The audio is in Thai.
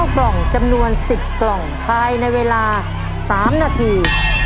กล่องพายในเวลา๓นาที